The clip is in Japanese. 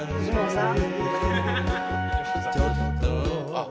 あっ。